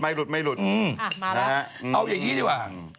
มาแล้วเอาอย่างนี้ดีกว่า